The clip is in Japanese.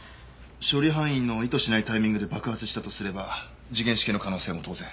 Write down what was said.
処理班員の意図しないタイミングで爆発したとすれば時限式の可能性も当然。